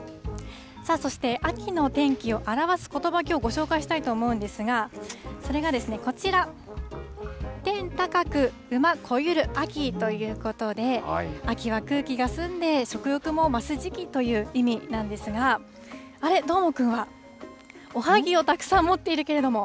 さあ、そして秋の天気を表すことば、きょう、ご紹介したいと思うんですが、それがこちら、天高く馬肥ゆる秋ということで、秋は空気が澄んで、食欲も増す時期という意味なんですが、あれ、どーもくんはおはぎをたくさん持っているけれども。